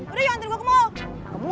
udah yuk nanti gua ke mall